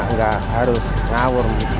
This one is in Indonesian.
nggak harus ngawur